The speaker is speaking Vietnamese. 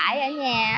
mình không có